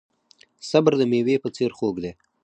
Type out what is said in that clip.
صبر د میوې په څیر خوږ دی.